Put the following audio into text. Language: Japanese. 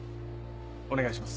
お願いします。